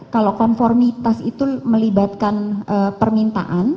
kalau konformitas itu melibatkan permintaan